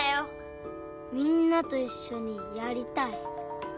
みんなといっしょにやりたい。